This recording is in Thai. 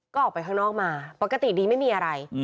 ก็ออกไปข้างนอกมาปกติดีไม่มีอะไร